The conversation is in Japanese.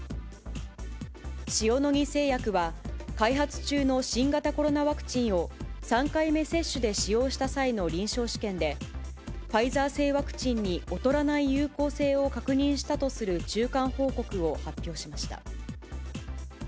塩野義製薬は、開発中の新型コロナワクチンを３回目接種で使用した際の臨床試験で、ファイザー製ワクチンに劣らない有効性を確認したとする中間報告を発表しました。